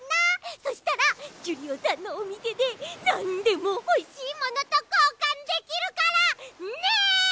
そしたらキュリオさんのおみせでなんでもほしいものとこうかんできるからね！